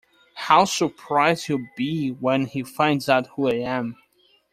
How surprised he’ll be when he finds out who I am!